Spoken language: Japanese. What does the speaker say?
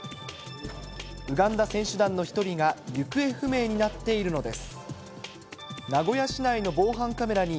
ウガンダ選手団の１人が行方不明になっているのです。